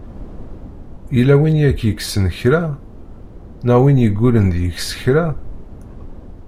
Yella win i ak-yekksen kra! Neɣ win i yeggulen deg-k s kra?